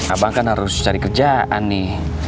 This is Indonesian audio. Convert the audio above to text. abang kan harus cari kerjaan nih